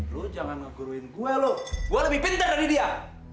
lu jangan ngeguruin gue loh gue lebih pintar dari dia